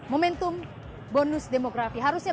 momentum bonus demografi harusnya